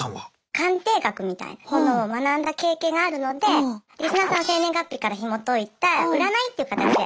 鑑定学みたいなものを学んだ経験があるのでリスナーさんの生年月日からひもといた占いっていう形で。